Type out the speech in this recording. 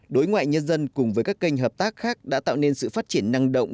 đối ngoại nhân dân cùng với các kênh hợp tác khác đã tạo nên sự phát triển năng động